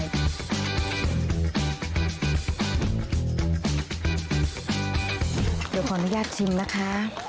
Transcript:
เดี๋ยวขออนุญาตชิมนะคะ